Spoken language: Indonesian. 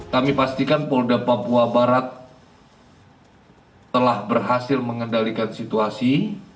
kami pastikan polda papua barat telah berhasil mengendalikan situasi